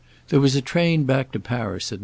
There was a train back to Paris at 9.